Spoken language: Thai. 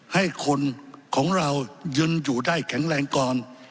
ให้คนของเรายืนอยู่ได้แข็งแรงก่อน